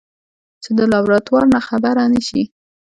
چې د لابراتوار نه خبره نشي.